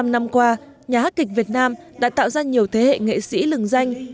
bảy mươi năm năm qua nhà hát kịch việt nam đã tạo ra nhiều thế hệ nghệ sĩ lừng danh